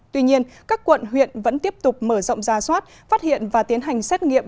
tuy nhiên các quận huyện vẫn tiếp tục mở rộng ra soát phát hiện và tiến hành xét nghiệm